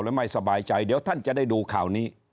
ไม่สบายใจเดี๋ยวท่านจะได้ดูข่าวนี้